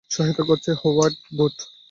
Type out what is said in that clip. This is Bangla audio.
সহায়তা করেছে হোয়াইট বোর্ড।